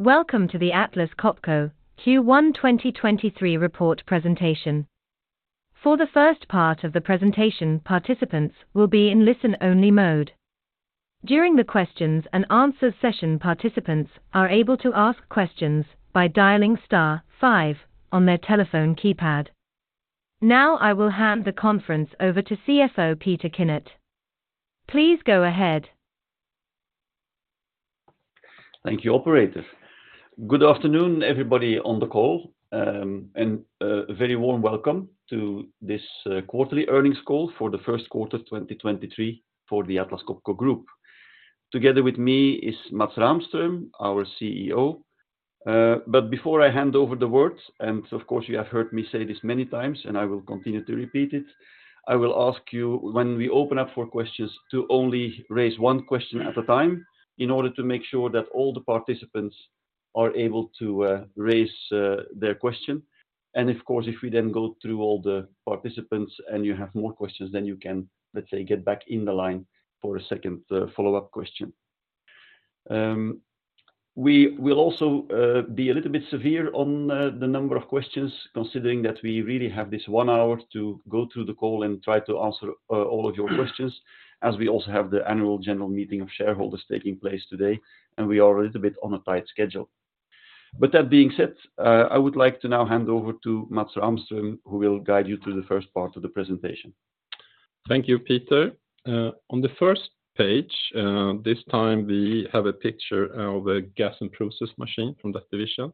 Welcome to the Atlas Copco Q1 2023 report presentation. For the first part of the presentation, participants will be in listen-only mode. During the questions and answers session, participants are able to ask questions by dialing star five on their telephone keypad. I will hand the conference over to CFO Peter Kinnart. Please go ahead. Thank you, operator. Good afternoon, everybody on the call. A very warm welcome to this quarterly earnings call for the first quarter 2023 for the Atlas Copco Group. Together with me is Mats Rahmström, our CEO. Before I hand over the words, and of course, you have heard me say this many times, and I will continue to repeat it, I will ask you when we open up for questions to only raise one question at a time in order to make sure that all the participants are able to raise their question. Of course, if we then go through all the participants and you have more questions, then you can, let's say, get back in the line for a second follow-up question. We will also be a little bit severe on the number of questions, considering that we really have this 1 hour to go through the call and try to answer all of your questions, as we also have the annual general meeting of shareholders taking place today, and we are a little bit on a tight schedule. That being said, I would like to now hand over to Mats Rahmström, who will guide you through the first part of the presentation. Thank you, Peter. On the first page, this time we have a picture of a Gas and Process machine from that division.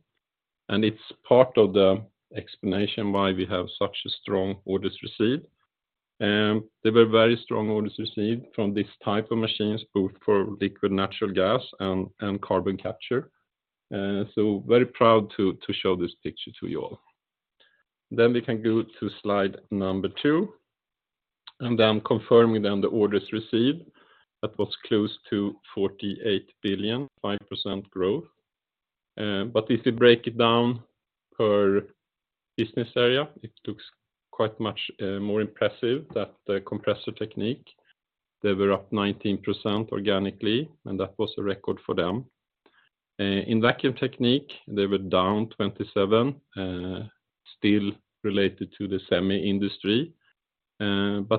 It's part of the explanation why we have such a strong orders received. There were very strong orders received from this type of machines, both for liquefied natural gas and carbon capture. Very proud to show this picture to you all. We can go to slide number two. I'm confirming then the orders received. That was close to 48 billion, 5% growth. If you break it down per business area, it looks quite much more impressive that the Compressor Technique, they were up 19% organically, and that was a record for them. In Vacuum Technique, they were down 27%, still related to the Semi industry.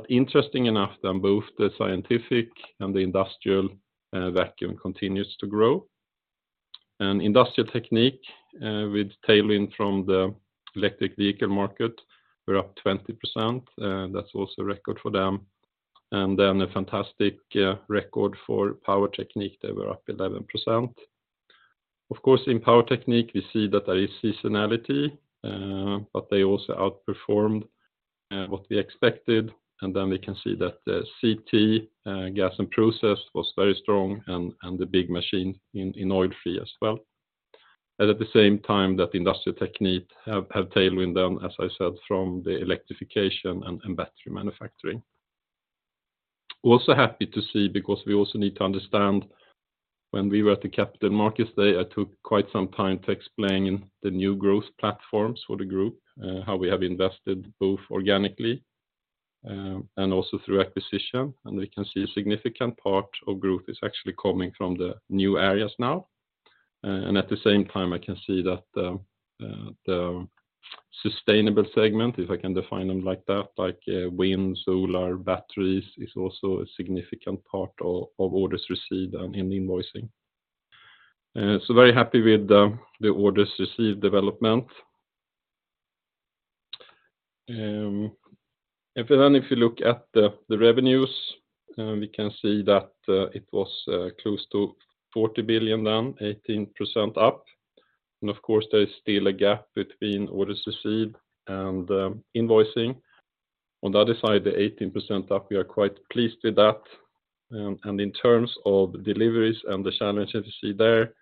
Interesting enough, both the scientific and the industrial vacuum continues to grow. Industrial Technique, with tailwind from the electric vehicle market, we're up 20%. That's also a record for them. A fantastic record for Power Technique. They were up 11%. Of course, in Power Technique, we see that there is seasonality, they also outperformed what we expected. We can see that the CT Gas and Process was very strong and the big machine in oil-free as well. At the same time that Industrial Technique have tailwind then, as I said, from the electrification and battery manufacturing. Also happy to see because we also need to understand when we were at the Capital Markets Day, I took quite some time to explain the new growth platforms for the group, how we have invested both organically and also through acquisition. We can see a significant part of growth is actually coming from the new areas now. At the same time, I can see that the sustainable segment, if I can define them like that, like wind, solar, batteries, is also a significant part of orders received and in invoicing. Very happy with the orders received development. If you look at the revenues, we can see that it was close to 40 billion then, 18% up. Of course, there is still a gap between orders received and invoicing. On the other side, the 18% up, we are quite pleased with that. In terms of deliveries and the challenges you see there,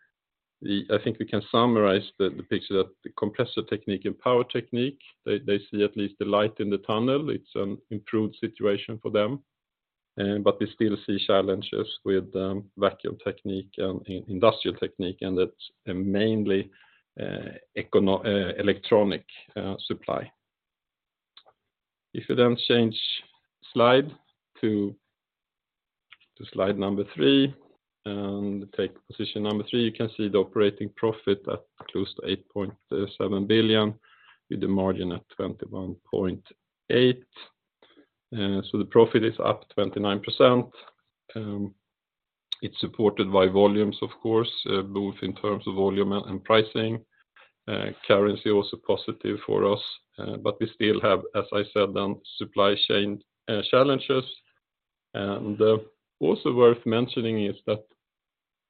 I think we can summarize the picture that Compressor Technique and Power Technique, they see at least the light in the tunnel. It's an improved situation for them. We still see challenges with Vacuum Technique and Industrial Technique, and that's mainly electronic supply. If you change slide to slide three and take position three, you can see the operating profit at close to 8.7 billion with the margin at 21.8%. The profit is up 29%. It's supported by volumes of course, both in terms of volume and pricing. Currency also positive for us. We still have, as I said, supply chain challenges. Also worth mentioning is that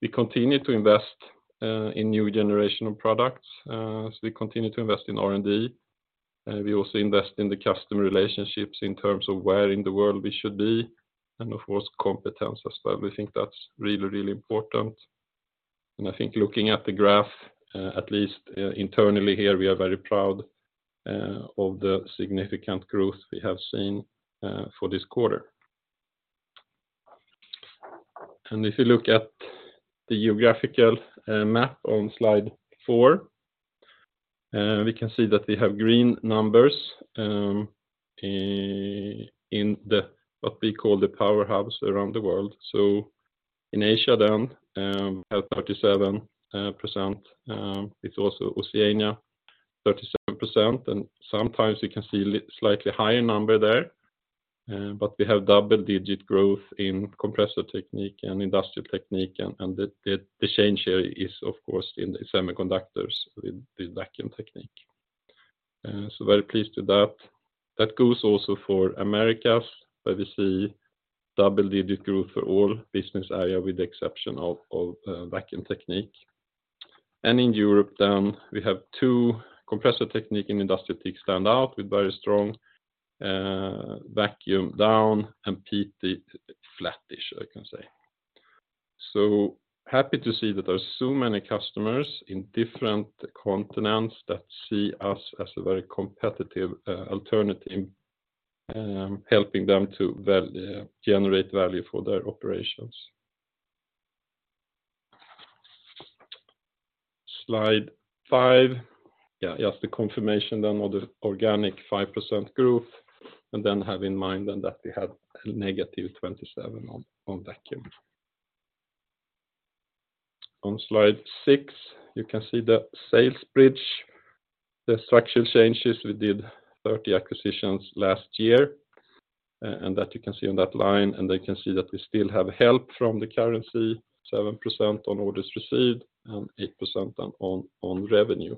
we continue to invest in new generational products, as we continue to invest in R&D. We also invest in the customer relationships in terms of where in the world we should be and of course, competence as well. We think that's really, really important. I think looking at the graph, at least internally here, we are very proud of the significant growth we have seen for this quarter. If you look at the geographical map on slide four. We can see that we have green numbers in the, what we call the powerhouses around the world. In Asia then, we have 37%, it's also Oceania, 37%, and sometimes you can see slightly higher number there. We have double-digit growth in Compressor Technique and Industrial Technique and the change here is of course in the Semiconductors with the Vacuum Technique. Very pleased with that. That goes also for Americas, where we see double-digit growth for all business area with the exception of Vacuum Technique. In Europe then we have two, Compressor Technique and Industrial Tech stand out with very strong, Vacuum down and PT flattish, I can say. Happy to see that there are so many customers in different continents that see us as a very competitive alternative, helping them to generate value for their operations. Slide five. Yeah, just the confirmation of the organic 5% growth. Have in mind that we had a -27 on Vacuum. On slide six, you can see the sales bridge, the structural changes. We did 30 acquisitions last year, and that you can see on that line, can see that we still have help from the currency, 7% on orders received and 8% on revenue.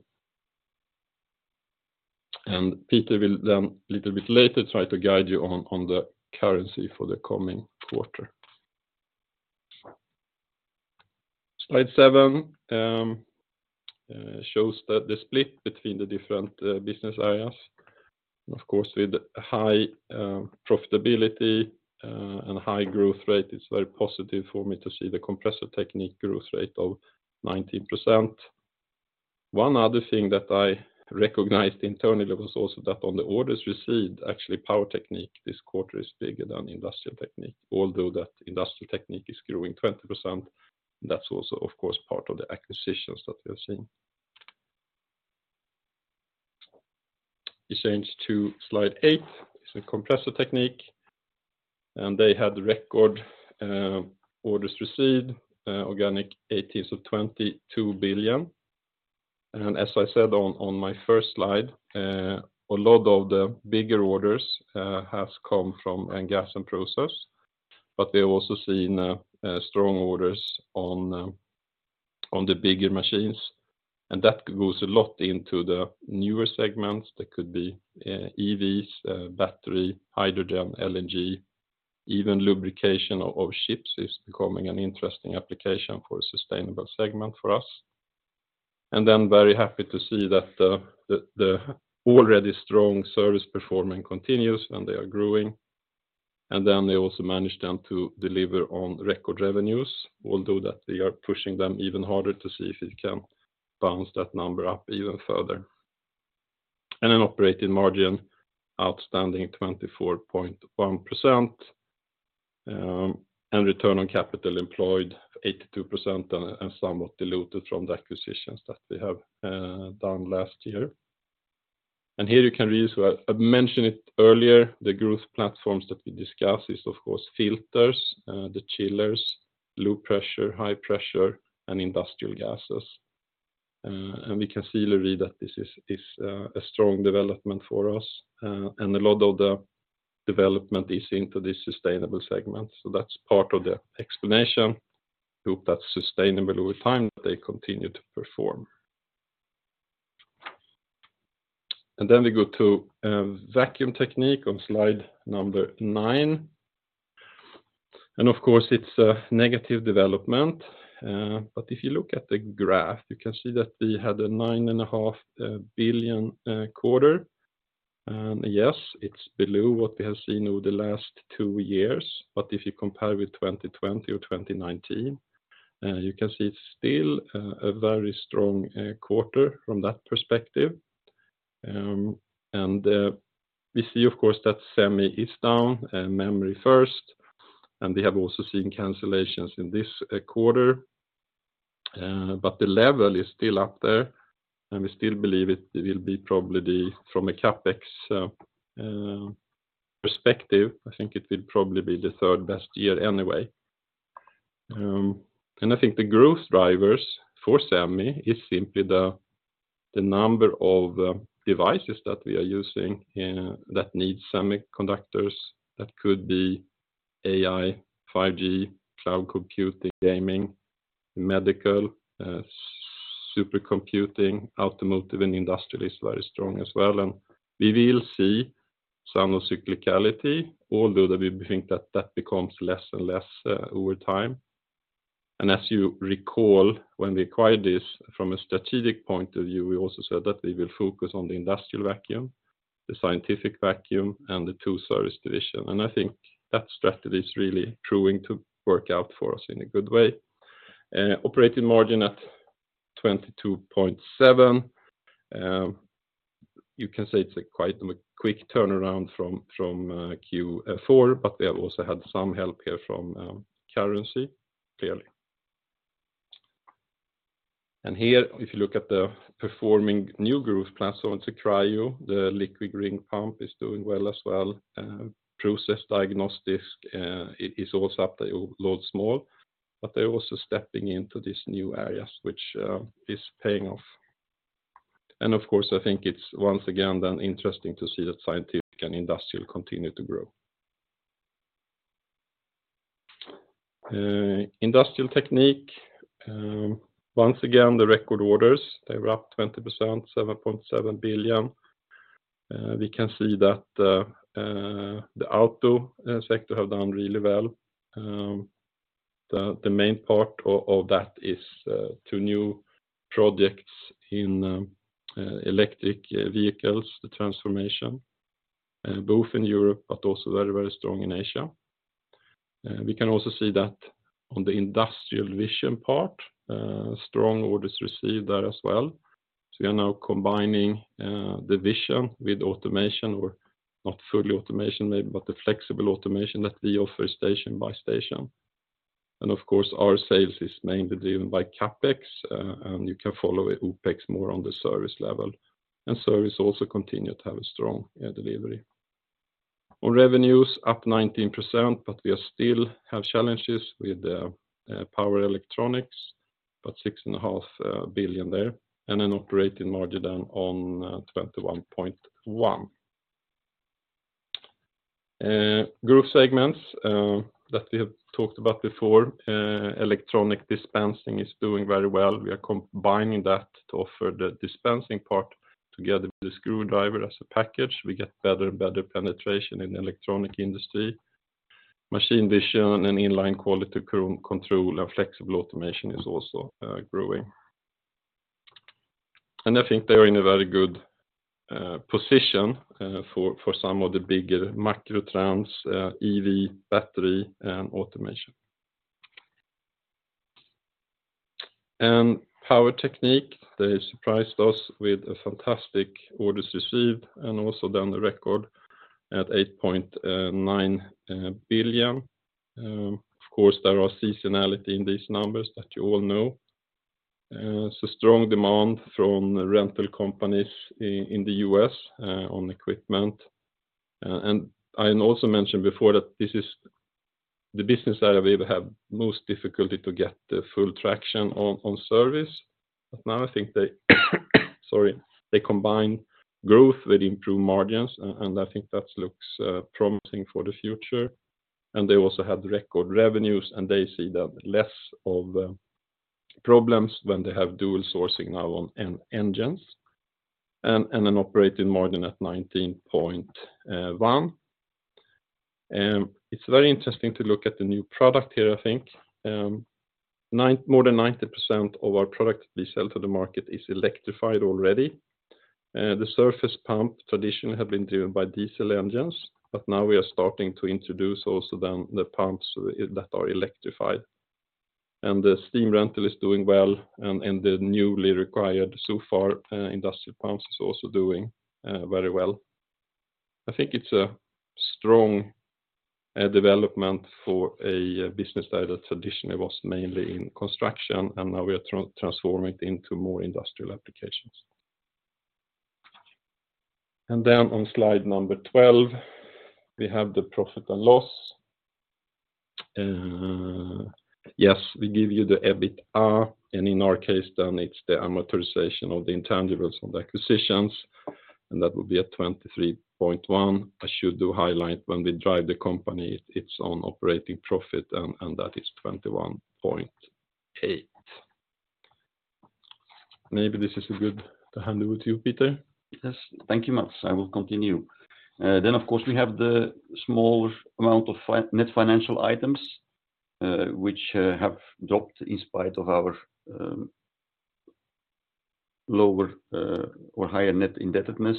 Peter will little bit later try to guide you on the currency for the coming quarter. Slide seven shows the split between the different business areas. Of course, with high profitability and high growth rate, it's very positive for me to see the Compressor Technique growth rate of 19%. One other thing that I recognized internally was also that on the orders received, actually Power Technique this quarter is bigger than Industrial Technique. Although that Industrial Technique is growing 20%, that's also of course part of the acquisitions that we have seen. We change to slide eight. Compressor Technique, and they had record orders received, organic 22 billion. As I said on my first slide, a lot of the bigger orders has come from Gas and Process, but we're also seeing strong orders on the bigger machines, and that goes a lot into the newer segments that could be EVs, battery, hydrogen, LNG, even lubrication of ships is becoming an interesting application for a sustainable segment for us. Very happy to see that the already strong service performance continues, and they are growing. They also manage then to deliver on record revenues, although that we are pushing them even harder to see if we can bounce that number up even further. An operating margin, outstanding 24.1%, and return on capital employed 82% and somewhat diluted from the acquisitions that we have done last year. Here you can read as well. I've mentioned it earlier, the growth platforms that we discussed is of course filters, the chillers, low pressure, high pressure, and industrial gases. We can clearly read that this is a strong development for us, and a lot of the development is into this sustainable segment. That's part of the explanation. Hope that's sustainable over time, that they continue to perform. We go to Vacuum Technique on slide number nine. Of course it's a negative development, but if you look at the graph, you can see that we had a nine and a half billion quarter. Yes, it's below what we have seen over the last two years, but if you compare with 2020 or 2019, you can see it's still a very strong quarter from that perspective. We see of course that Semi is down, memory first, and we have also seen cancellations in this quarter. The level is still up there, and we still believe it will be probably the, from a CapEx perspective, I think it will probably be the third best year anyway. I think the growth drivers for Semi is simply the number of devices that we are using that need semiconductors. That could be AI, 5G, cloud computing, gaming, medical, supercomputing, automotive, and industrial is very strong as well. We will see some cyclicality, although that we think that that becomes less and less over time. As you recall, when we acquired this from a strategic point of view, we also said that we will focus on the industrial vacuum, the scientific vacuum, and the two service division. I think that strategy is really proving to work out for us in a good way. Operating margin at 22.7%. You can say it's a quite quick turnaround from Q4, but they have also had some help here from currency, clearly. Here, if you look at the performing new growth plans on the cryo, the liquid ring pump is doing well as well. Process diagnostics is also up there, a lot small, but they're also stepping into these new areas which is paying off. Of course, I think it's once again then interesting to see that scientific and industrial continue to grow. Industrial Technique, once again, the record orders, they were up 20%, 7.7 billion. We can see that the auto sector have done really well. The main part of that is two new projects in electric vehicles, the transformation, both in Europe, but also very, very strong in Asia. We can also see that on the industrial vision part, strong orders received there as well. We are now combining the vision with automation or not fully automation made, but the flexible automation that we offer station by station. Of course, our sales is mainly driven by CapEx, and you can follow OpEx more on the service level. Service also continue to have a strong delivery. On revenues up 19%, we are still have challenges with the power electronics, 6.5 billion there, and an operating margin on 21.1%. Group segments that we have talked about before, electronics dispensing is doing very well. We are combining that to offer the dispensing part together with the screwdriver as a package. We get better and better penetration in the electronic industry. Machine vision and inline quality control and flexible automation is also growing. I think they are in a very good position for some of the bigger macro trends, EV, battery, and automation. Power Technique, they surprised us with fantastic orders received and also done the record at 8.9 billion. Of course, there are seasonality in these numbers that you all know. Strong demand from rental companies in the U.S. on equipment. I also mentioned before that this is the business that I've ever had most difficulty to get the full traction on service. Now I think they combine growth with improved margins and I think that looks promising for the future. They also have record revenues, and they see that less of problems when they have dual sourcing now on engines and an operating margin at 19.1%. It's very interesting to look at the new product here, I think. More than 90% of our product we sell to the market is electrified already. The surface pump traditionally have been driven by diesel engines, but now we are starting to introduce also then the pumps that are electrified. The steam rental is doing well and the newly required so far, industrial pumps is also doing very well. I think it's a strong development for a business that traditionally was mainly in construction, and now we are transforming it into more industrial applications. On slide number 12, we have the profit and loss. Yes, we give you the EBITDA, and in our case then it's the amortization of the intangibles of the acquisitions, and that will be at 23.1%. I should do highlight when we drive the company, it's on operating profit, and that is 21.8%. Maybe this is a good to hand over to you, Peter. Yes. Thank you, Mats. I will continue. Of course, we have the small amount of net financial items, which have dropped in spite of our lower or higher net indebtedness,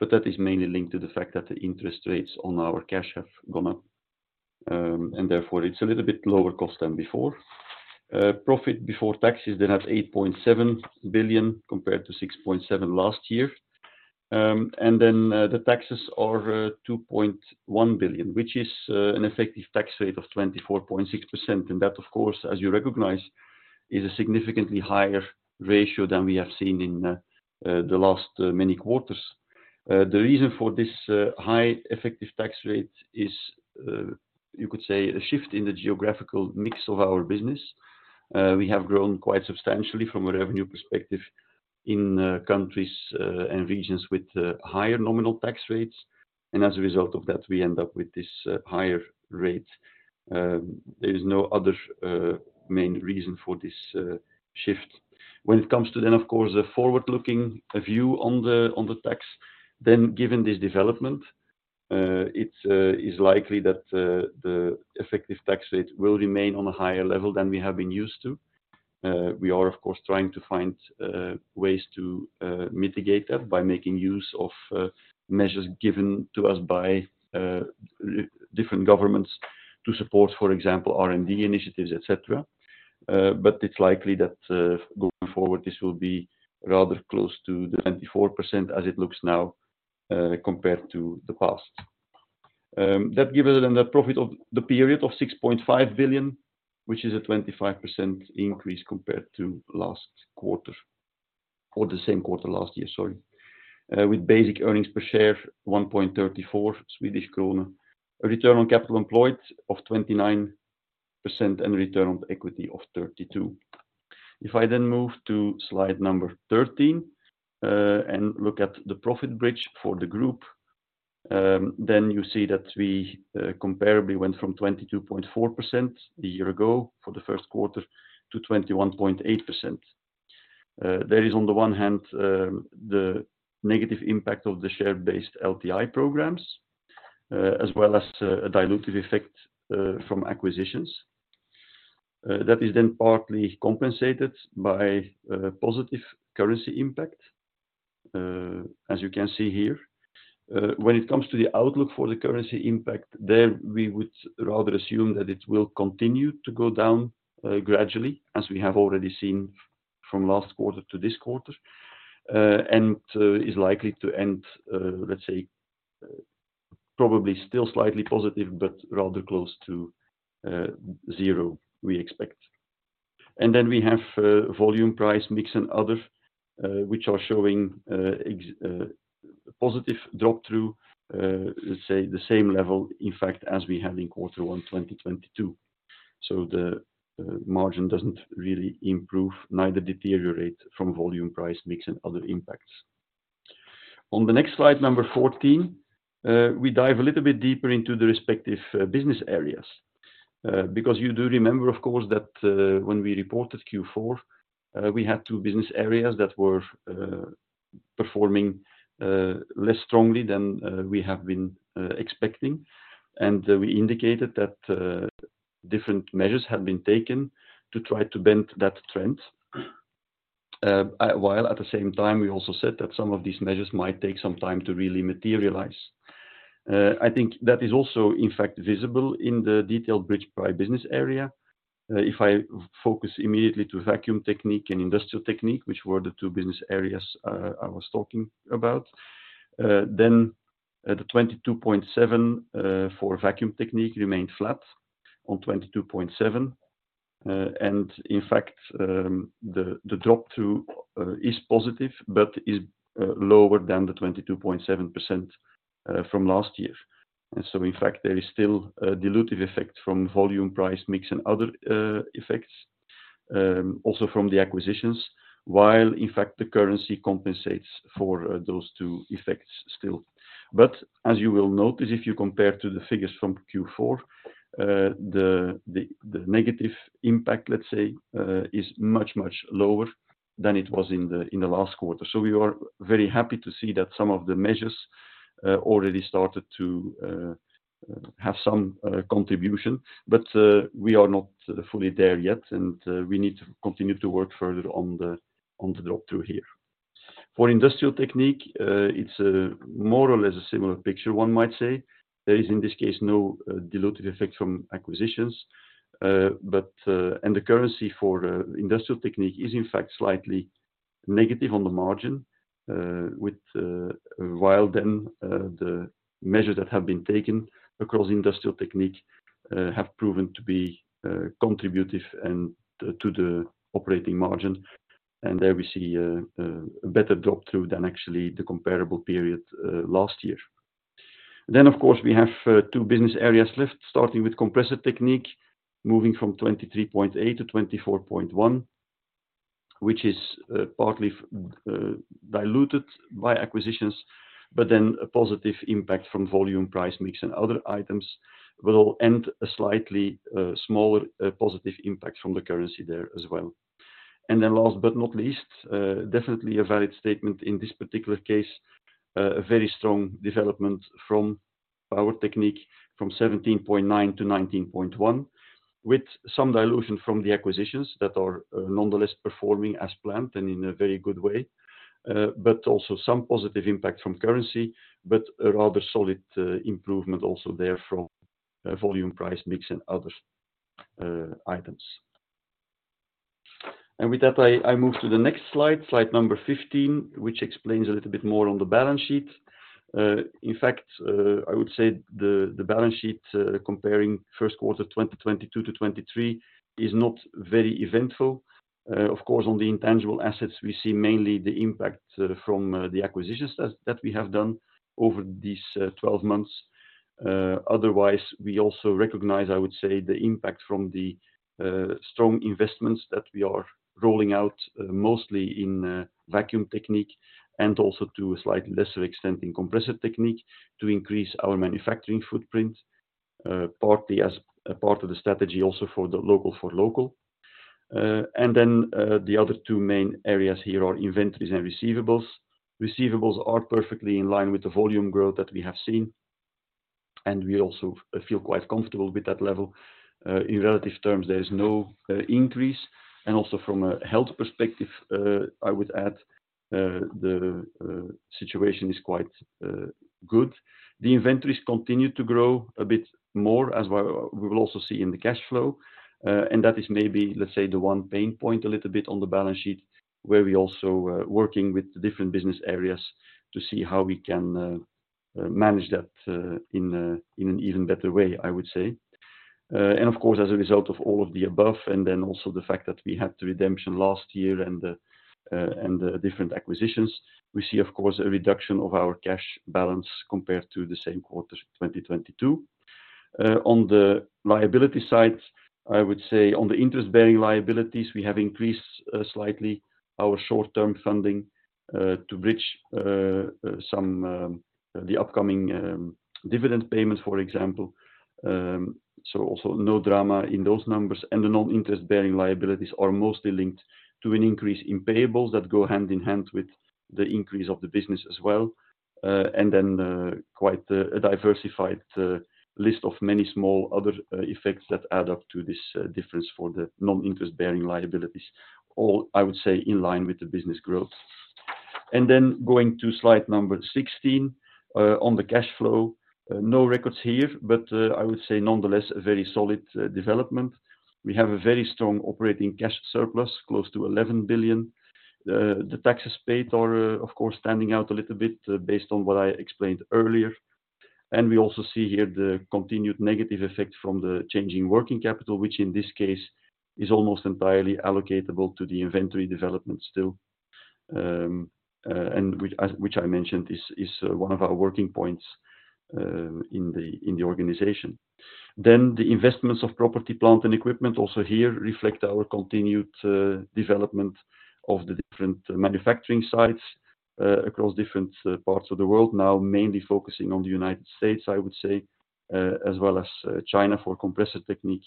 but that is mainly linked to the fact that the interest rates on our cash have gone up, and therefore it's a little bit lower cost than before. Profit before taxes, they have 8.7 billion compared to 6.7 billion last year. The taxes are 2.1 billion, which is an effective tax rate of 24.6%. That, of course, as you recognize, is a significantly higher ratio than we have seen in the last many quarters. The reason for this high effective tax rate is, you could say a shift in the geographical mix of our business. We have grown quite substantially from a revenue perspective in countries and regions with higher nominal tax rates. As a result of that, we end up with this higher rate. There is no other main reason for this shift. When it comes to then, of course, a forward-looking view on the tax, then given this development, it's likely that the effective tax rate will remain on a higher level than we have been used to. We are, of course, trying to find ways to mitigate that by making use of measures given to us by different governments to support, for example, R&D initiatives, et cetera. But it's likely that, going forward, this will be rather close to the 24% as it looks now, compared to the past. That gives us an net profit of the period of 6.5 billion, which is a 25% increase compared to last quarter or the same quarter last year, sorry. With basic earnings per share, 1.34 Swedish krona. A return on capital employed of 29% and return on equity of 32%. If I move to slide number 13, and look at the profit bridge for the group, then you see that we, comparably went from 22.4% a year ago for the first quarter to 21.8%. There is on the one hand, the negative impact of the share-based LTI programs, as well as, a dilutive effect, from acquisitions. That is then partly compensated by, positive currency impact, as you can see here. When it comes to the outlook for the currency impact, there we would rather assume that it will continue to go down, gradually as we have already seen from last quarter to this quarter, and, is likely to end, let's say, probably still slightly positive, but rather close to zero, we expect. We have, volume price mix and other, which are showing, positive drop-through, let's say, the same level, in fact, as we had in Q1 2022. The margin doesn't really improve neither deteriorate from volume price mix and other impacts. On the next slide number 14, we dive a little bit deeper into the respective business areas. Because you do remember, of course, that when we reported Q4, we had two business areas that were performing less strongly than we have been expecting. We indicated that different measures had been taken to try to bend that trend, while at the same time, we also said that some of these measures might take some time to really materialize. I think that is also, in fact, visible in the detailed bridge by business area. If I focus immediately to vacuum technique and industrial technique, which were the two business areas I was talking about, then the 22.7% for vacuum technique remained flat on 22.7%, and in fact the drop-through is positive, but is lower than the 22.7% from last year. So in fact, there is still a dilutive effect from volume price mix and other effects, also from the acquisitions, while in fact the currency compensates for those two effects still. But as you will notice, if you compared to the figures from Q4, the negative impact, lets say it much, much lower that it was in the last quarter. We are very happy to see that some of the measures already started to have some contribution, but we are not fully there yet, and we need to continue to work further on the drop-through here. For Industrial Technique, it's more or less a similar picture, one might say. There is, in this case, no dilutive effect from acquisitions. The currency for Industrial Technique is in fact slightly negative on the margin, while then the measures that have been taken across Industrial Technique have proven to be contributive and to the operating margin. There we see a better drop-through than actually the comparable period last year. Of course, we have two business areas left, starting with Compressor Technique, moving from 23.8%-24.1%, which is partly diluted by acquisitions, but then a positive impact from volume price mix and other items will end a slightly smaller positive impact from the currency there as well. Last but not least, definitely a valid statement in this particular case, a very strong development from Industrial Technique from 17.9%-19.1%, with some dilution from the acquisitions that are nonetheless performing as planned and in a very good way, but also some positive impact from currency, but a rather solid improvement also there from volume price mix and other items. With that, I move to the next slide number 15, which explains a little bit more on the balance sheet. In fact, I would say the balance sheet, comparing first quarter 2022 to 2023 is not very eventful. Of course, on the intangible assets, we see mainly the impact from the acquisitions that we have done over these 12 months. Otherwise, we also recognize, I would say, the impact from the strong investments that we are rolling out, mostly in Vacuum Technique and also to a slightly lesser extent in Compressor Technique to increase our manufacturing footprint, partly as a part of the strategy also for the local for local. The other two main areas here are inventories and receivables. Receivables are perfectly in line with the volume growth that we have seen, and we also feel quite comfortable with that level. In relative terms, there is no increase. Also from a health perspective, I would add, the situation is quite good. The inventories continue to grow a bit more as we will also see in the cash flow. That is maybe, let's say, the one pain point a little bit on the balance sheet where we also are working with the different business areas to see how we can manage that in an even better way, I would say. Of course, as a result of all of the above, and then also the fact that we had the redemption last year and the and the different acquisitions, we see, of course, a reduction of our cash balance compared to the same quarter 2022. On the liability side, I would say on the interest-bearing liabilities, we have increased slightly our short-term funding to bridge the upcoming dividend payments, for example. Also no drama in those numbers. The non-interest-bearing liabilities are mostly linked to an increase in payables that go hand in hand with the increase of the business as well. Then, quite a diversified list of many small other effects that add up to this difference for the non-interest-bearing liabilities. All, I would say, in line with the business growth. Going to slide number 16 on the cash flow. No records here, but I would say nonetheless, a very solid development. We have a very strong operating cash surplus, close to 11 billion. The taxes paid are, of course, standing out a little bit based on what I explained earlier. We also see here the continued negative effect from the changing working capital, which in this case is almost entirely allocatable to the inventory development still, and which I mentioned is one of our working points in the organization. The investments of property, plant, and equipment also here reflect our continued development of the different manufacturing sites across different parts of the world, now mainly focusing on the United States, I would say, as well as China for Compressor Technique,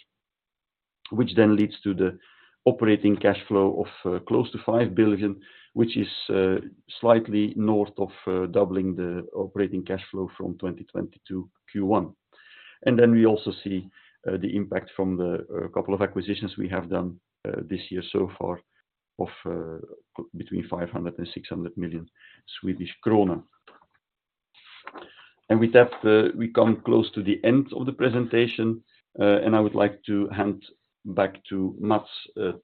which then leads to the operating cash flow of close to 5 billion, which is slightly north of doubling the operating cash flow from 2022 Q1. We also see the impact from the couple of acquisitions we have done this year so far of between 500 million Swedish krona and 600 million Swedish krona. With that, we come close to the end of the presentation, and I would like to hand back to Mats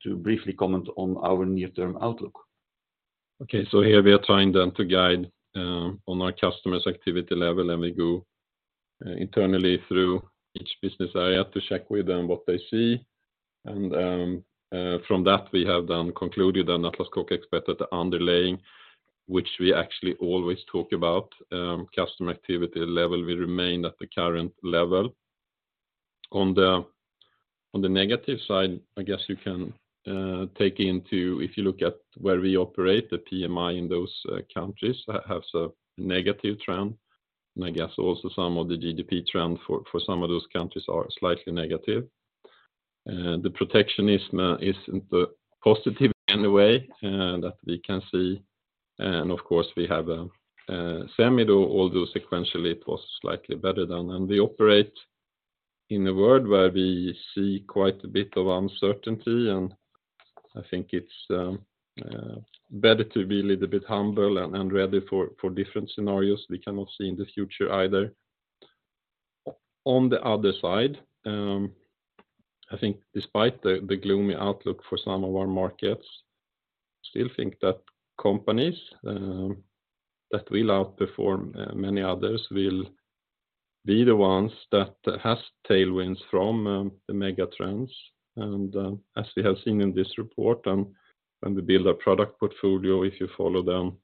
to briefly comment on our near-term outlook. Here we are trying then to guide on our customers' activity level, and we go internally through each business area to check with them what they see. From that we have then concluded that Atlas Copco expected the underlying, which we actually always talk about, customer activity level will remain at the current level. On the negative side, I guess you can take into... if you look at where we operate, the PMI in those countries has a negative trend. I guess also some of the GDP trend for some of those countries are slightly negative. The protectionism isn't positive in a way that we can see. Of course, we have Semi, though, although sequentially it was slightly better than. We operate in a world where we see quite a bit of uncertainty, and I think it's better to be a little bit humble and ready for different scenarios. We cannot see in the future either. On the other side, I think despite the gloomy outlook for some of our markets, still think that companies that will outperform many others will be the ones that has tailwinds from the mega trends. As we have seen in this report, when we build a product portfolio, if you follow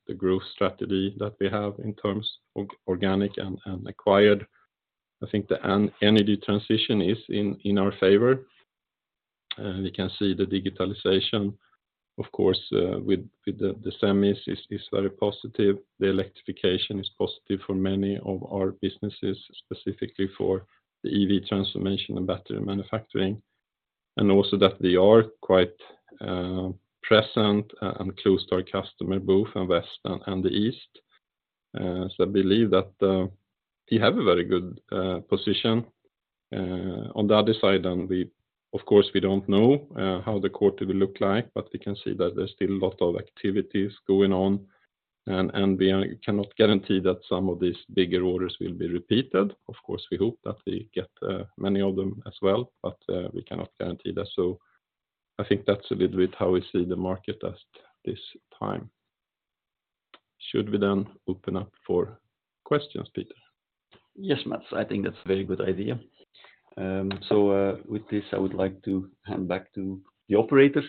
the growth strategy that we have in terms of organic and acquired, I think the energy transition is in our favor. We can see the digitalization, of course, with the Semis is very positive. The electrification is positive for many of our businesses, specifically for the EV transformation and battery manufacturing, and also that they are quite present and close to our customer, both in West and the East. I believe that we have a very good position. On the other side, of course, we don't know how the quarter will look like, but we can see that there's still a lot of activities going on, and we cannot guarantee that some of these bigger orders will be repeated. Of course, we hope that we get many of them as well, but we cannot guarantee that. I think that's a little bit how we see the market at this time. Should we then open up for questions, Peter? Yes, Mats. I think that's a very good idea. With this, I would like to hand back to the operators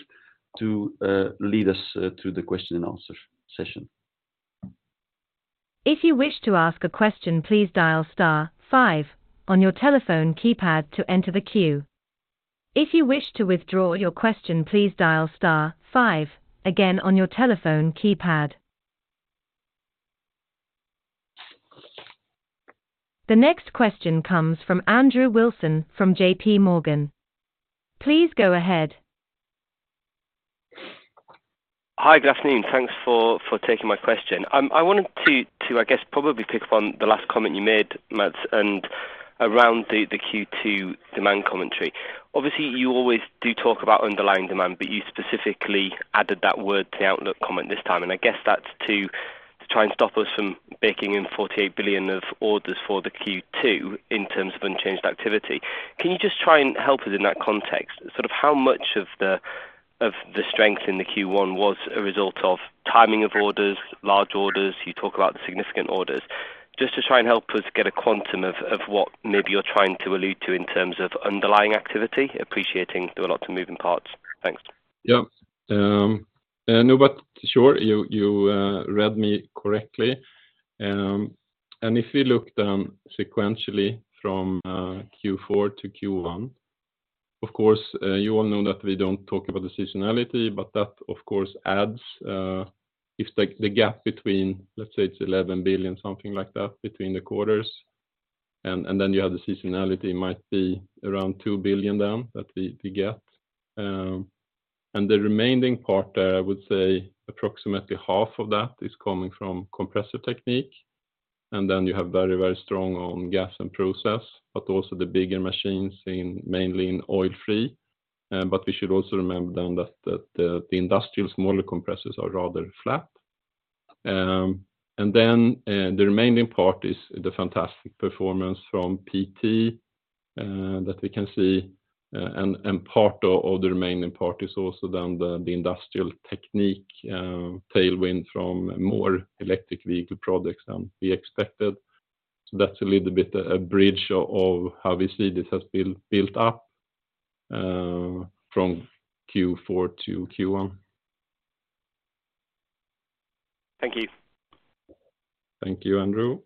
to lead us through the question-and-answer session. If you wish to ask a question, please dial star five on your telephone keypad to enter the queue. If you wish to withdraw your question, please dial star five again on your telephone keypad. The next question comes from Andrew Wilson from JPMorgan. Please go ahead. Hi, good afternoon. Thanks for taking my question. I wanted to, I guess, probably pick up on the last comment you made, Mats, around the Q2 demand commentary. Obviously, you always do talk about underlying demand, but you specifically added that word to the outlook comment this time, I guess that's to try and stop us from baking in 48 billion of orders for the Q2 in terms of unchanged activity. Can you just try and help us in that context, sort of how much of the strength in the Q1 was a result of timing of orders, large orders? You talk about the significant orders. Just to try and help us get a quantum of what maybe you're trying to allude to in terms of underlying activity, appreciating there are lots of moving parts. Thanks. Yeah. No, but sure, you read me correctly. If you look down sequentially from Q4 to Q1, of course, you all know that we don't talk about the seasonality, but that of course adds, if the gap between, let's say, it's 11 billion, something like that, between the quarters, and then you have the seasonality might be around 2 billion down that we get. The remaining part, I would say approximately half of that is coming from Compressor Technique, and then you have very, very strong on Gas and Process, but also the bigger machines mainly in oil-free. We should also remember then that the industrial smaller compressors are rather flat. The remaining part is the fantastic performance from PT that we can see, and part of the remaining part is also then the Industrial Technique tailwind from more electric vehicle products than we expected. That's a little bit a bridge of how we see this has built up from Q4 to Q1. Thank you. Thank you, Andrew.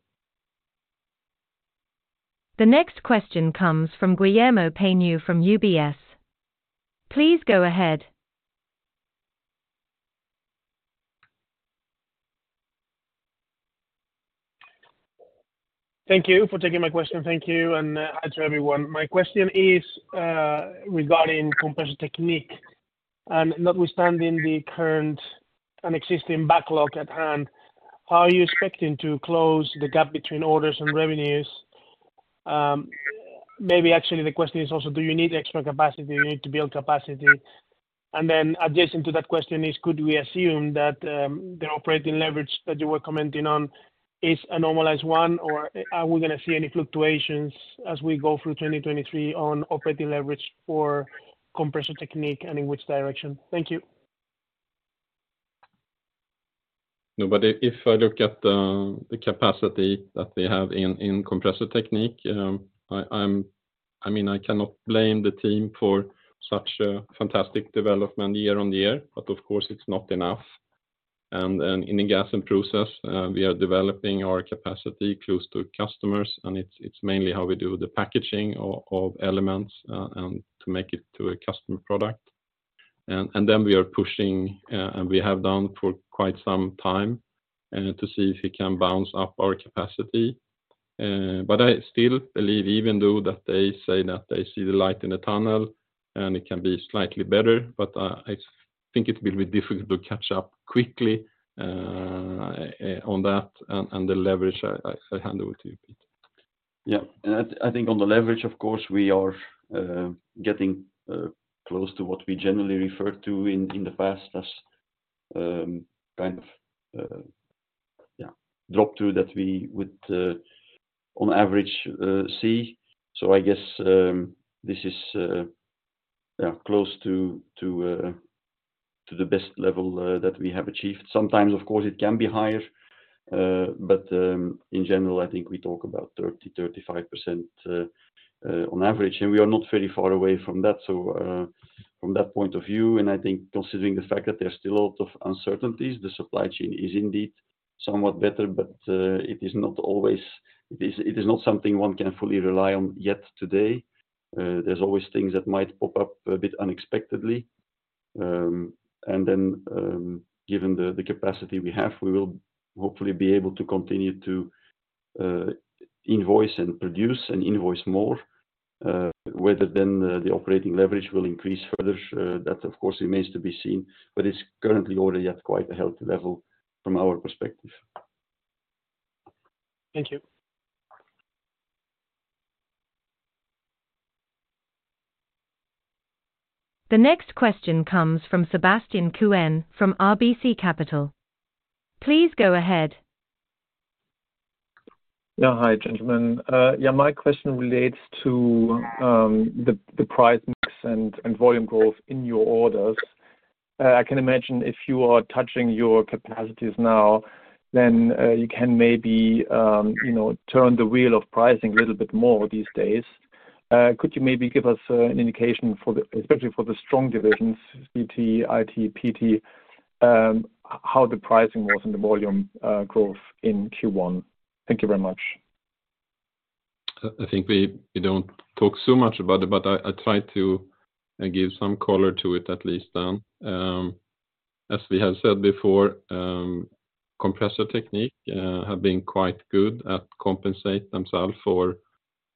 The next question comes from Guillermo Peigneux from UBS. Please go ahead. Thank you for taking my question. Thank you, and hi to everyone. My question is regarding Compressor Technique, and notwithstanding the current and existing backlog at hand, how are you expecting to close the gap between orders and revenues? Maybe actually the question is also do you need extra capacity? Do you need to build capacity? Then adjacent to that question is, could we assume that the operating leverage that you were commenting on is a normalized one, or are we gonna see any fluctuations as we go through 2023 on operating leverage for Compressor Technique and in which direction? Thank you. If I look at, I mean, I cannot blame the team for such a fantastic development year-over-year, but of course, it's not enough. Then in Gas and Process, we are developing our capacity close to customers, and it's mainly how we do the packaging of elements and to make it to a customer product. Then we are pushing, and we have done for quite some time, to see if we can bounce up our capacity. But I still believe even though that they say that they see the light in the tunnel and it can be slightly better, but I think it will be difficult to catch up quickly on that and the leverage. I hand over to you, Peter. Yeah. I think on the leverage, of course, we are getting close to what we generally referred to in the past as kind of, yeah, drop-through that we would on average see. I guess this is, yeah, close to the best level that we have achieved. Sometimes, of course, it can be higher. In general, I think we talk about 30%-35% on average, and we are not very far away from that. From that point of view, and I think considering the fact that there's still a lot of uncertainties, the supply chain is indeed somewhat better, but it is not always... It is not something one can fully rely on yet today. There's always things that might pop up a bit unexpectedly. Given the capacity we have, we will hopefully be able to continue to invoice and produce and invoice more. Whether the operating leverage will increase further, that of course remains to be seen. It's currently already at quite a healthy level from our perspective. Thank you. The next question comes from Sebastian Kuenne from RBC Capital. Please go ahead. Hi, gentlemen. My question relates to the price mix and volume growth in your orders. I can imagine if you are touching your capacities now, then you can maybe, you know, turn the wheel of pricing a little bit more these days. Could you maybe give us an indication especially for the strong divisions, CT, IT, PT, how the pricing was and the volume growth in Q1? Thank you very much. I think we don't talk so much about it, but I try to give some color to it at least then. As we have said before, Compressor Technique have been quite good at compensate themselves for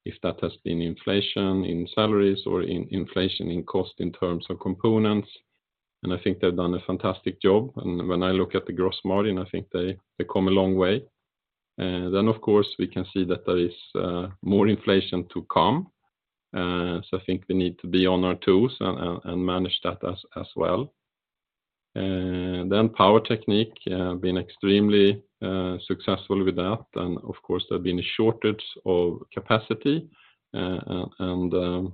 if that has been inflation in salaries or in inflation in cost in terms of components, and I think they've done a fantastic job. When I look at the gross margin, I think they come a long way. Of course, we can see that there is more inflation to come. I think we need to be on our tools and manage that as well. Power Technique been extremely successful with that. Of course, there have been a shortage of capacity, and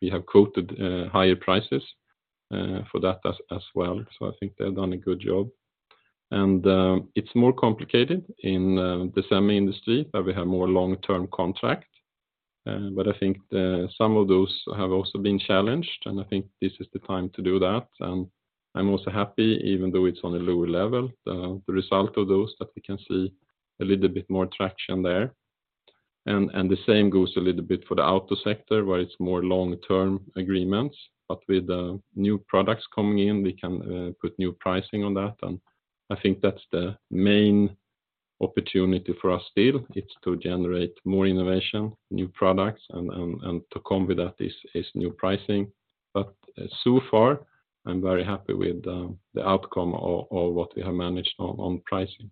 we have quoted higher prices for that as well. I think they've done a good job. It's more complicated in the Semi industry, where we have more long-term contract. I think some of those have also been challenged, and I think this is the time to do that. I'm also happy, even though it's on a lower level, the result of those, that we can see a little bit more traction there. The same goes a little bit for the auto sector, where it's more long-term agreements, but with new products coming in, we can put new pricing on that. I think that's the main opportunity for us still, is to generate more innovation, new products, and to come with that is new pricing. So far, I'm very happy with the outcome of what we have managed on pricing.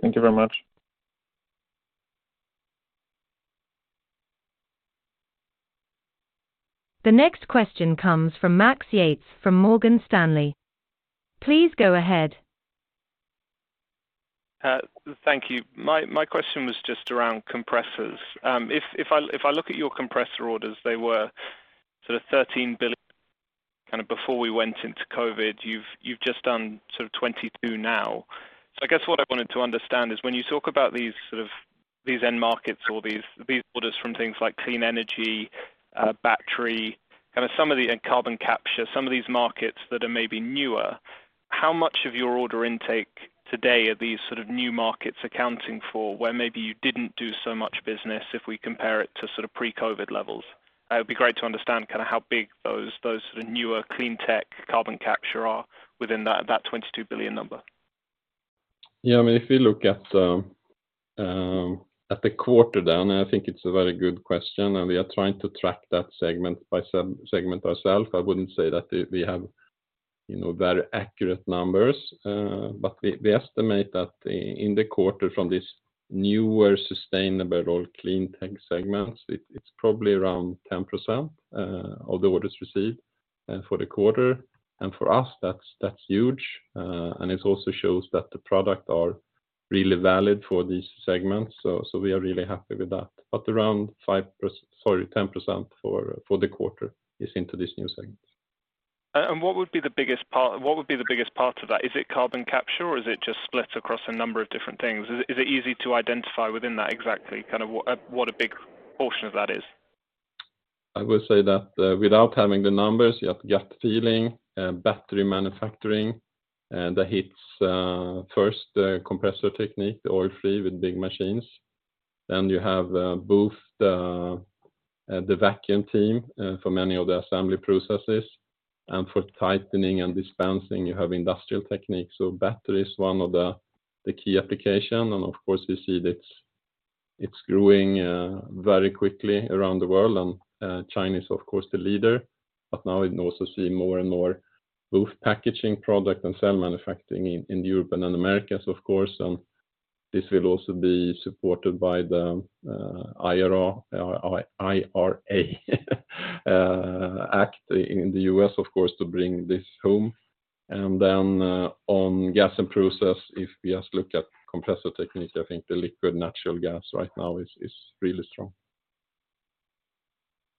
Thank you very much. The next question comes from Max Yates from Morgan Stanley. Please go ahead. Thank you. My question was just around compressors. If I look at your compressor orders, they were 13 billion kind of before we went into COVID. You've just done 22 billion now. I guess what I wanted to understand is when you talk about these end markets or these orders from things like clean energy, battery, and carbon capture, some of these markets that are maybe newer, how much of your order intake today are these sort of new markets accounting for where maybe you didn't do so much business if we compare it to sort of pre-COVID levels? It would be great to understand kind of how big those sort of newer clean tech carbon capture are within that 22 billion number. Yeah. I mean, if you look at the quarter, I think it's a very good question, we are trying to track that segment by segment ourself. I wouldn't say that we have, you know, very accurate numbers. We estimate that in the quarter from this newer, sustainable clean tech segments, it's probably around 10% of the orders received for the quarter. For us, that's huge. It also shows that the product are really valid for these segments. So we are really happy with that. Sorry, 10% for the quarter is into these new segments. What would be the biggest part of that? Is it carbon capture, or is it just split across a number of different things? Is it easy to identify within that exactly kind of what a, what a big portion of that is? I would say that, without having the numbers, you have gut feeling, battery manufacturing, that hits first the Compressor Technique, the oil-free with big machines. You have both the Vacuum Technique for many of the assembly processes, and for tightening and dispensing, you have Industrial Technique. Battery is one of the key application. Of course, we see that it's growing very quickly around the world. China is, of course, the leader. Now we can also see more and more both packaging product and cell manufacturing in Europe and in Americas, of course. This will also be supported by the IRA in the U.S., of course, to bring this home. on Gas and Process, if we just look at Compressor Technique, I think the liquefied natural gas right now is really strong.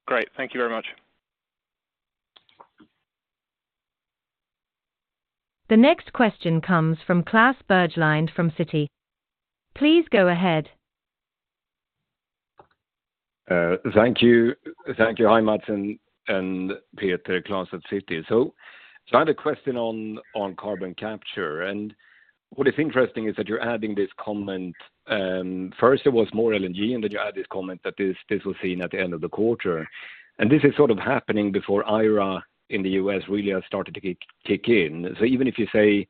Great. Thank you very much. The next question comes from Klas Bergelind from Citi. Please go ahead. Thank you. Thank you. Hi, Mats and Peter. Klas at Citi. I have a question on carbon capture. What is interesting is that you're adding this comment. First, it was more LNG, and then you add this comment that this was seen at the end of the quarter. This is sort of happening before IRA in the U.S. really has started to kick in. Even if you say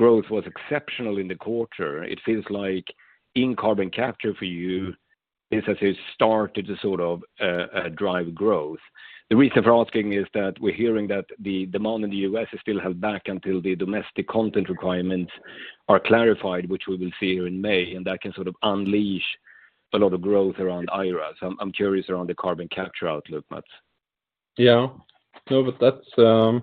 growth was exceptional in the quarter, it feels like in carbon capture for you, this is a start to sort of drive growth. The reason for asking is that we're hearing that the demand in the U.S. is still held back until the domestic content requirements are clarified, which we will see here in May, and that can sort of unleash a lot of growth around IRA. I'm curious around the carbon capture outlook, Mats? Yeah. No, that's a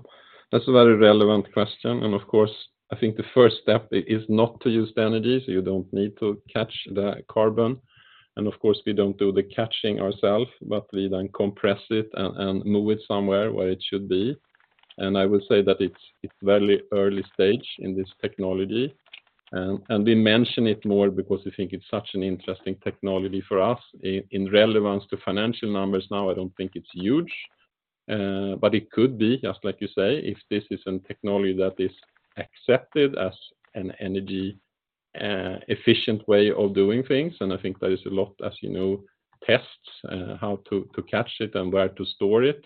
very relevant question. Of course, I think the first step is not to use the energy, so you don't need to catch the carbon. Of course, we don't do the catching ourselves, but we then compress it and move it somewhere where it should be. I would say that it's very early stage in this technology. We mention it more because we think it's such an interesting technology for us. In relevance to financial numbers now, I don't think it's huge. It could be, just like you say, if this is a technology that is accepted as an energy efficient way of doing things. I think there is a lot, as you know, tests, how to catch it and where to store it.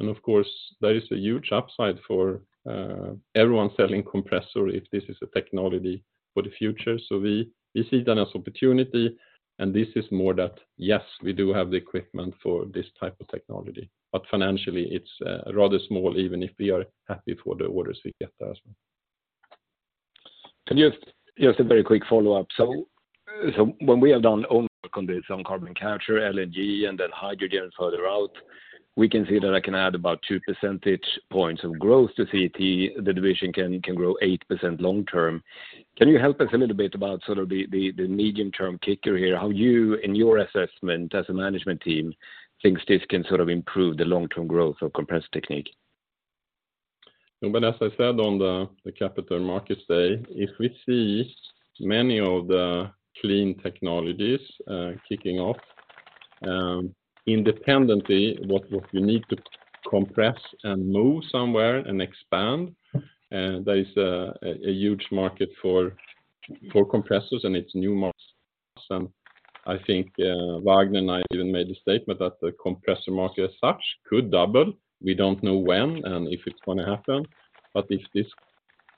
Of course, there is a huge upside for everyone selling compressor if this is a technology for the future. We, we see that as opportunity, and this is more that, yes, we do have the equipment for this type of technology. Financially, it's rather small, even if we are happy for the orders we get there as well. Just a very quick follow-up. When we have done work on this, on carbon capture, LNG, and then hydrogen further out, we can see that I can add about 2 percentage points of growth to CT. The division can grow 8% long term. Can you help us a little bit about sort of the medium-term kicker here, how you in your assessment as a management team thinks this can sort of improve the long-term growth of Compressor Technique? As I said on the Capital Markets Day, if we see many of the clean technologies kicking off independently, what you need to compress and move somewhere and expand, there is a huge market for compressors, and it's new markets. I think Wagner and I even made a statement that the compressor market as such could double. We don't know when and if it's gonna happen, but if this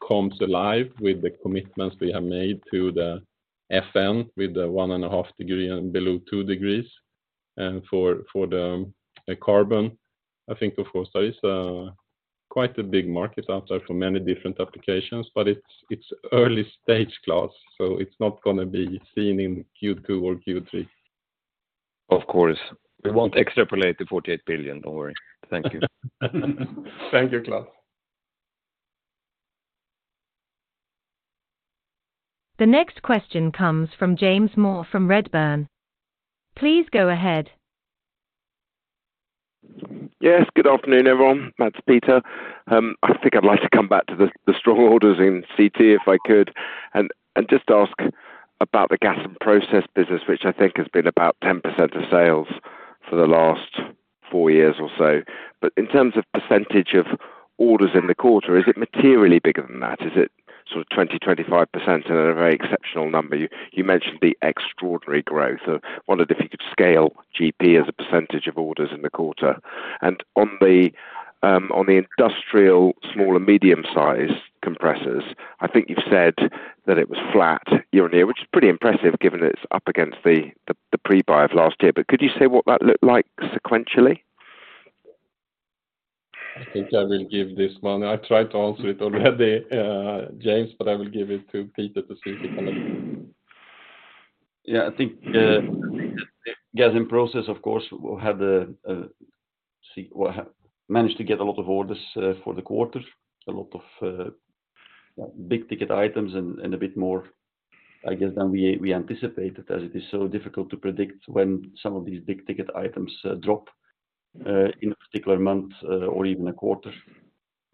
comes alive with the commitments we have made to the SBTi with the one and a half degree and below two degrees, and for the carbon, I think of course that is quite a big market out there for many different applications, but it's early stage Klas, so it's not gonna be seen in Q2 or Q3. Of course. We won't extrapolate the 48 billion. Don't worry. Thank you. Thank you, Claes. The next question comes from James Moore from Redburn. Please go ahead. Yes, good afternoon, everyone. That's Peter. I think I'd like to come back to the strong orders in CT, if I could, and just ask about the Gas and Process business, which I think has been about 10% of sales for the last four years or so. In terms of percentage of orders in the quarter, is it materially bigger than that? Is it sort of 20%-25% and a very exceptional number? You mentioned the extraordinary growth. I wonder if you could scale GP as a percentage of orders in the quarter. On the industrial small and medium-sized compressors, I think you've said that it was flat year-on-year, which is pretty impressive given that it's up against the pre-buy of last year. Could you say what that looked like sequentially? I think I will give this one. I tried to answer it already, James. I will give it to Peter to see if he can add. Yeah, I think, Gas and Process, of course, will have the, well, managed to get a lot of orders for the quarter, a lot of big-ticket items and a bit more, I guess, than we anticipated, as it is so difficult to predict when some of these big-ticket items drop in a particular month or even a quarter.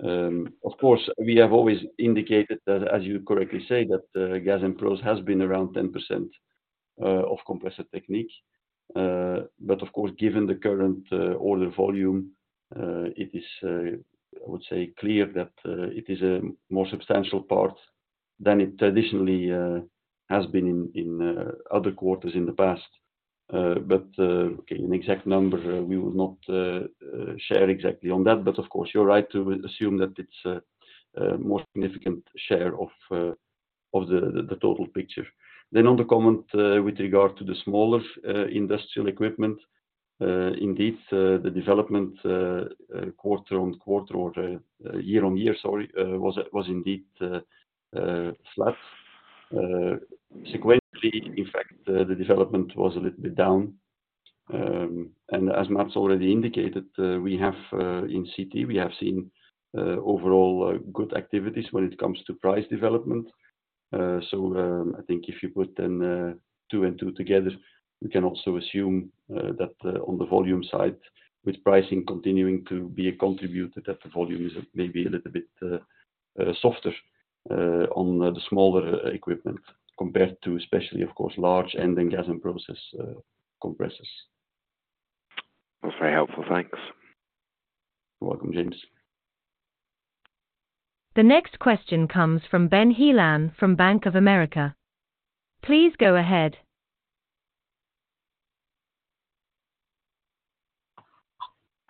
Of course, we have always indicated that, as you correctly say, that Gas and Process has been around 10% of Compressor Technique. Of course, given the current order volume, it is, I would say, clear that it is a more substantial part than it traditionally has been in other quarters in the past. Okay, an exact number, we will not share exactly on that. Of course, you're right to assume that it's a more significant share of the total picture. On the comment, with regard to the smaller industrial equipment, indeed, the development quarter-on-quarter or year-on-year, sorry, was indeed flat. Sequentially, in fact, the development was a little bit down. As Mats already indicated, we have in CT, we have seen overall good activities when it comes to price development. I think if you put two and two together, we can also assume that on the volume side, with pricing continuing to be a contributor, that the volume is maybe a little bit softer on the smaller equipment compared to especially, of course, large and Gas and Process compressors. That's very helpful. Thanks. You're welcome, James. The next question comes from Ben Heelan from Bank of America. Please go ahead.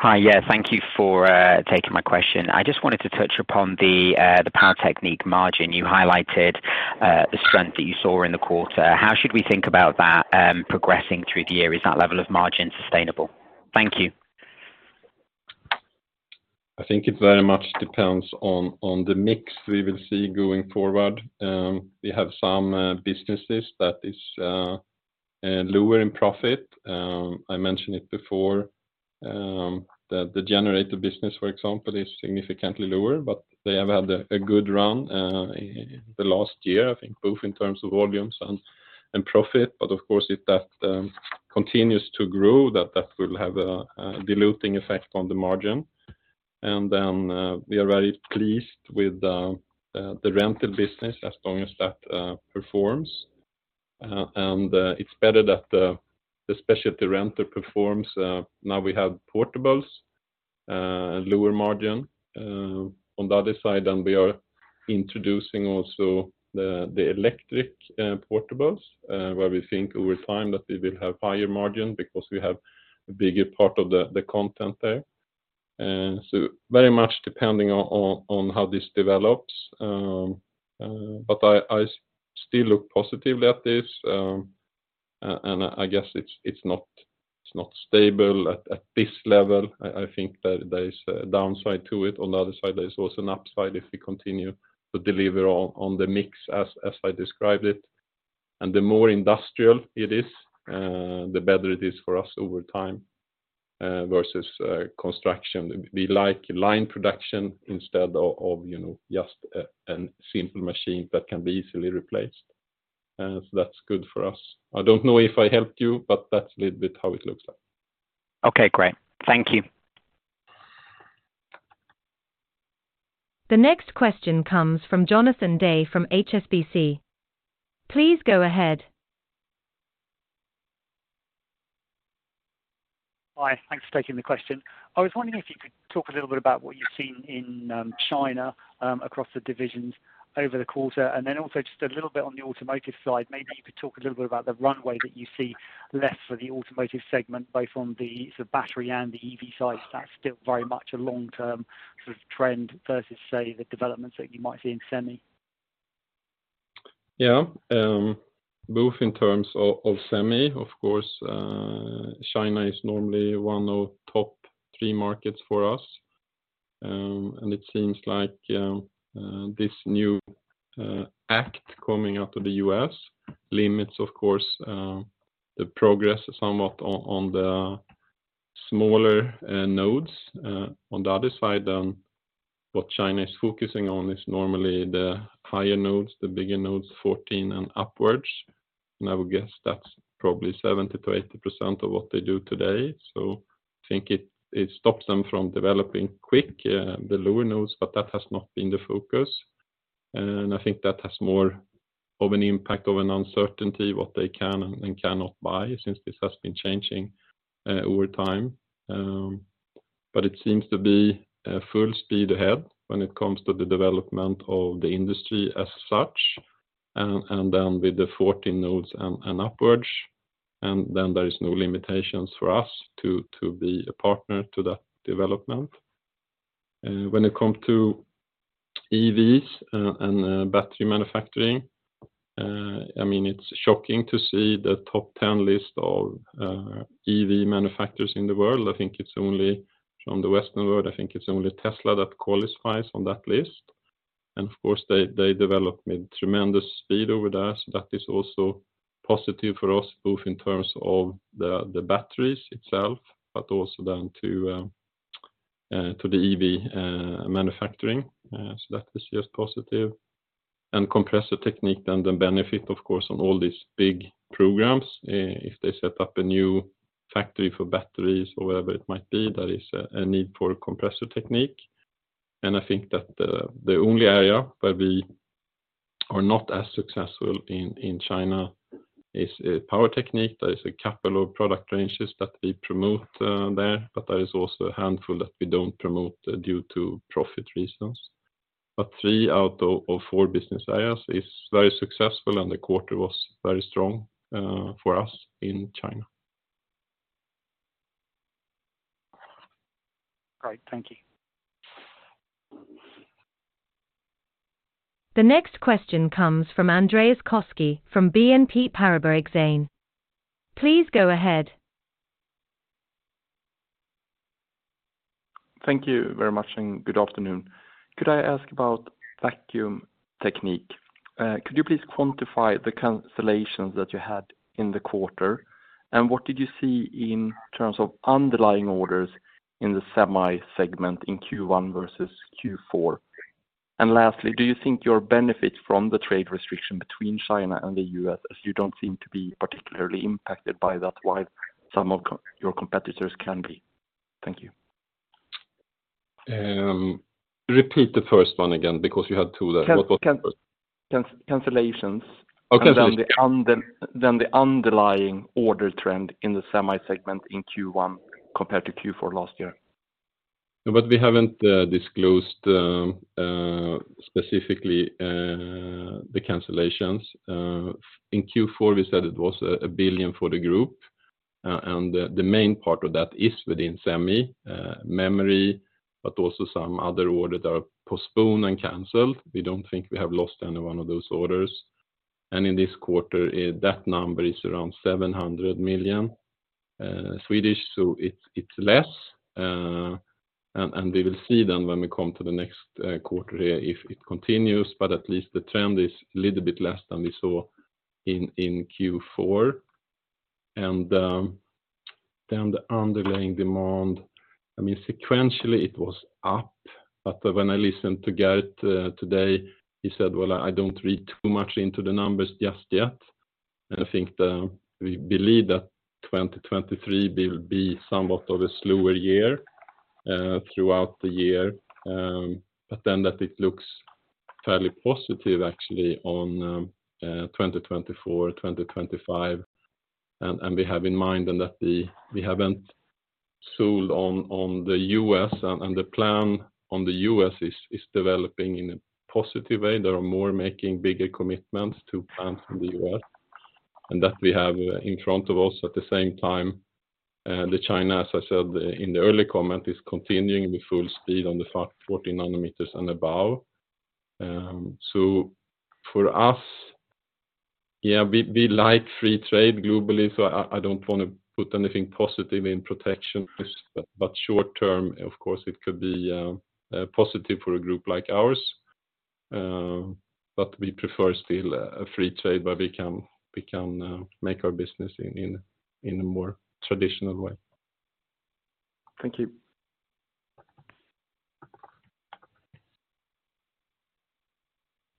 Hi. Thank you for taking my question. I just wanted to touch upon the Power Technique margin. You highlighted the strength that you saw in the quarter. How should we think about that progressing through the year? Is that level of margin sustainable? Thank you. I think it very much depends on the mix we will see going forward. We have some businesses that is lower in profit. I mentioned it before, that the generator business, for example, is significantly lower, but they have had a good run the last year, I think both in terms of volumes and profit. Of course, if that continues to grow, that will have a diluting effect on the margin. Then we are very pleased with the rental business as long as that performs. It's better that especially if the renter performs, now we have portables, lower margin on the other side, and we are introducing also the electric portables, where we think over time that we will have higher margin because we have a bigger part of the content there. Very much depending on how this develops. I still look positively at this, and I guess it's not stable at this level. I think that there is a downside to it. On the other side, there is also an upside if we continue to deliver on the mix as I described it. The more industrial it is, the better it is for us over time, versus construction. We like line production instead of, you know, just a simple machine that can be easily replaced. That's good for us. I don't know if I helped you, but that's a little bit how it looks like. Okay, great. Thank you. The next question comes from Jonathan Day from HSBC. Please go ahead. Hi. Thanks for taking the question. I was wondering if you could talk a little bit about what you've seen in China across the divisions over the quarter, and then also just a little bit on the automotive side? Maybe you could talk a little bit about the runway that you see less for the automotive segment, both on the sort of battery and the EV side, that's still very much a long-term sort of trend versus, say, the developments that you might see in Semi? Yeah. Both in terms of semi, of course, China is normally one of top three markets for us. It seems like this new act coming out of the U.S. limits of course, the progress somewhat on the smaller nodes. On the other side, what China is focusing on is normally the higher nodes, the bigger nodes, 14 and upwards, and I would guess that's probably 70%-80% of what they do today. I think it stops them from developing quick, the lower nodes, but that has not been the focus. I think that has more of an impact of an uncertainty what they can and cannot buy since this has been changing over time. It seems to be full speed ahead when it comes to the development of the industry as such and then with the 14nm nodes and upwards. There is no limitations for us to be a partner to that development. When it comes to EVs and battery manufacturing, I mean it's shocking to see the top 10 list of EV manufacturers in the world. I think it's only from the Western world, I think it's only Tesla that qualifies on that list. Of course they develop with tremendous speed over there. That is also positive for us both in terms of the batteries itself but also then to the EV manufacturing. That is just positive. Compressor Technique then the benefit of course on all these big programs, if they set up a new factory for batteries or whatever it might be, there is a need for Compressor Technique. I think that the only area where we are not as successful in China is Power Technique. There is a couple of product ranges that we promote there, but there is also a handful that we don't promote due to profit reasons. Three out of four business areas is very successful and the quarter was very strong for us in China. Great. Thank you. The next question comes from Andreas Koski from BNP Paribas SA. Please go ahead. Thank you very much and good afternoon. Could I ask about Vacuum Technique? Could you please quantify the cancellations that you had in the quarter? What did you see in terms of underlying orders in the Semi segment in Q1 versus Q4? Lastly, do you think you'll benefit from the trade restriction between China and the U.S., as you don't seem to be particularly impacted by that while some of your competitors can be? Thank you. Repeat the first one again because you had two there. What's the first? Cancellations. Oh, cancellations. The underlying order trend in the Semi segment in Q1 compared to Q4 last year. We haven't disclosed specifically the cancellations. In Q4 we said it was 1 billion for the group. The main part of that is within Semi memory, but also some other orders are postponed and canceled. We don't think we have lost any one of those orders. In this quarter that number is around 700 million, so it's less. We will see then when we come to the next quarter here if it continues, but at least the trend is a little bit less than we saw in Q4. The underlying demand, I mean, sequentially it was up, but when I listened to Geert today, he said, "Well, I don't read too much into the numbers just yet." I think we believe that 2023 will be somewhat of a slower year throughout the year. That it looks fairly positive actually on 2024-2025. We have in mind and that we haven't sold on the U.S. and the plan on the U.S. is developing in a positive way. There are more making bigger commitments to plants in the U.S., and that we have in front of us. At the same time, China, as I said in the early comment, is continuing with full speed on the 40 nanometers and above. For us, we like free trade globally, I don't wanna put anything positive in protectionism. Short term, of course, it could be positive for a group like ours. We prefer still a free trade where we can make our business in a more traditional way. Thank you.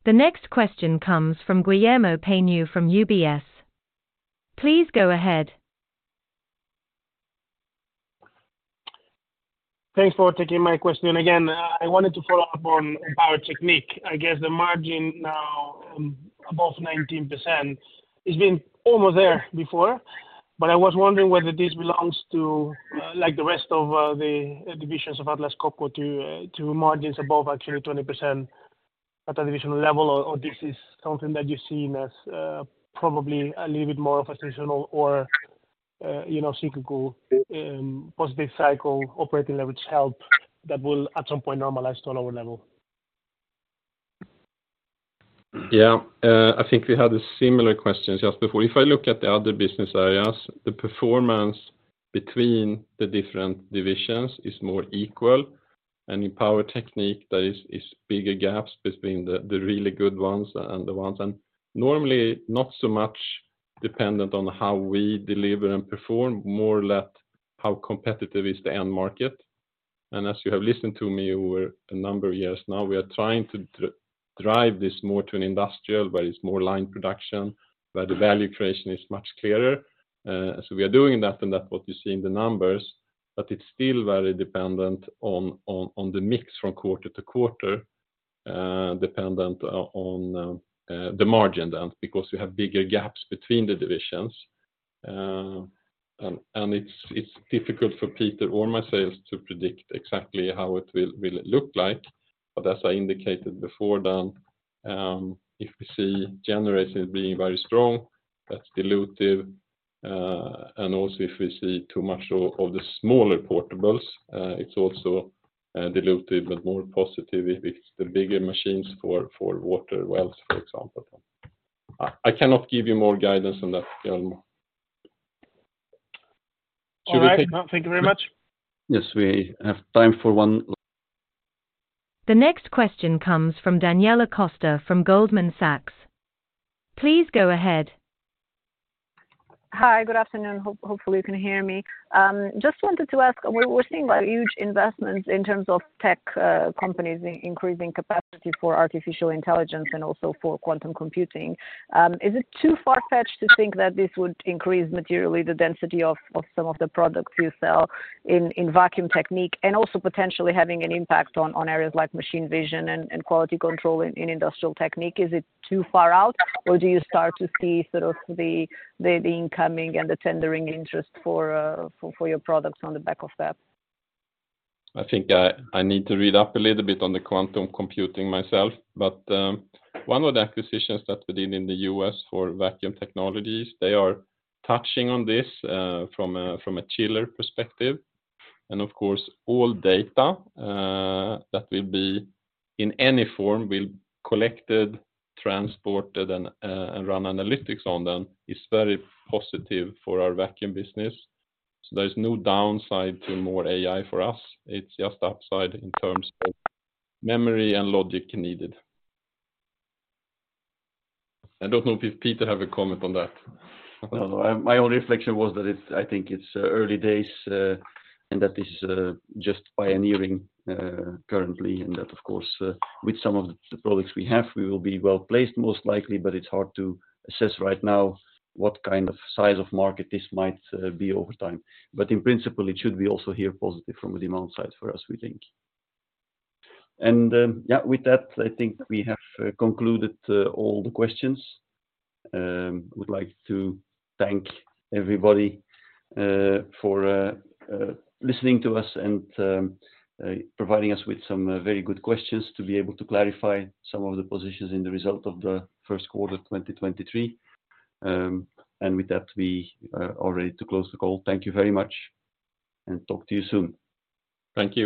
The next question comes from Guillermo Peigneux from UBS. Please go ahead. Thanks for taking my question again. I wanted to follow up on Power Technique. I guess the margin now, above 19%, it's been almost there before, but I was wondering whether this belongs to like the rest of the divisions of Atlas Copco to margins above actually 20% at a divisional level or this is something that you're seeing as probably a little bit more of a seasonal or, you know, cyclical, positive cycle operating leverage help that will at some point normalize to a lower level? Yeah. I think we had a similar question just before. If I look at the other business areas, the performance between the different divisions is more equal, and in Power Technique, there is bigger gaps between the really good ones and the ones. Normally not so much dependent on how we deliver and perform, more or less how competitive is the end market. As you have listened to me over a number of years now, we are trying to drive this more to an industrial where it's more line production, where the value creation is much clearer. We are doing that, and that what you see in the numbers, but it's still very dependent on the mix from quarter to quarter, dependent on the margin then because we have bigger gaps between the divisions. It's difficult for Peter or myself to predict exactly how it will look like. As I indicated before, if we see generators being very strong, that's dilutive, and also if we see too much of the smaller portables, it's also dilutive, but more positive if it's the bigger machines for water wells, for example. I cannot give you more guidance on that, Guillermo. All right. No, thank you very much. Yes, we have time for one. The next question comes from Daniela Costa from Goldman Sachs. Please go ahead. Hi, good afternoon. Hopefully you can hear me. Just wanted to ask, we're seeing large, huge investments in terms of tech companies in increasing capacity for artificial intelligence and also for quantum computing. Is it too far-fetched to think that this would increase materially the density of some of the products you sell in Vacuum Technique and also potentially having an impact on areas like machine vision and quality control in Industrial Technique? Is it too far out, or do you start to see sort of the incoming and the tendering interest for your products on the back of that? I think I need to read up a little bit on the quantum computing myself. One of the acquisitions that we did in the US for vacuum technologies, they are touching on this from a chiller perspective. Of course, all data that will be in any form, will collected, transported, and run analytics on them, is very positive for our vacuum business. There's no downside to more AI for us. It's just upside in terms of memory and logic needed. I don't know if Peter have a comment on that. No. My only reflection was that I think it's early days, and that this is just pioneering currently, and that of course, with some of the products we have, we will be well-placed most likely, but it's hard to assess right now what kind of size of market this might be over time. In principle, it should be also here positive from the demand side for us, we think. With that, I think we have concluded all the questions. Would like to thank everybody for listening to us and providing us with some very good questions to be able to clarify some of the positions in the result of the first quarter 2023. With that, we are all ready to close the call. Thank you very much, and talk to you soon. Thank you.